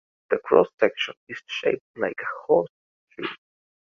The cross section is shaped like a horseshoe.